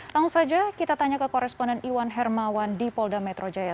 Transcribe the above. langsung saja kita tanya ke koresponden iwan hermawan di polda metro jaya